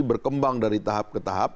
berkembang dari tahap ke tahap